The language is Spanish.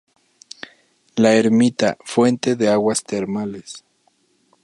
La Ermita, fuente de aguas termales.